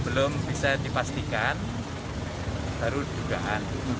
belum bisa dipastikan baru dugaan